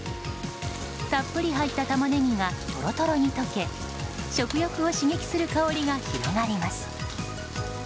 たっぷり入ったタマネギがとろとろに溶け食欲を刺激する香りが広がります。